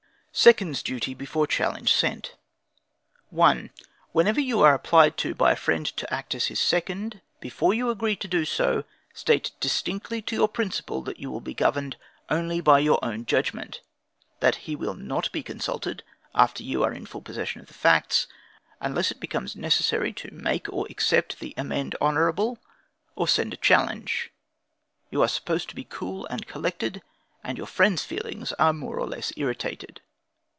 SECOND'S DUTY BEFORE CHALLENGE SENT. 1. Whenever you are applied to by a friend to act as his second, before you agree to do so, state distinctly to your principal that you will be governed only by your own judgment, that he will not be consulted after you are in full possession of the facts, unless it becomes necessary to make or accept the amende honorable, or send a challenge. You are supposed to be cool and collected, and your friend's feelings are more or less irritated.